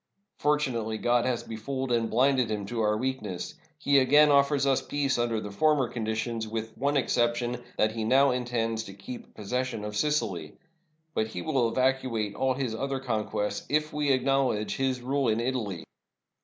Fortunately God has befooled and blinded him to our weakness. He again offers us peace under the former conditions, with the one exception that he now intends to keep possession of Sicily. But he will evacu ate all his other conquests if we will acknowledge his rule in Italy.